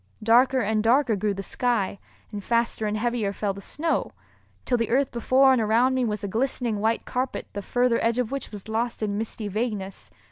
Darker and darker grew the sky, and faster and heavier fell the snow, till the earth before and around me was a glistening white carpet the further edge of which was lost in misty vagueness.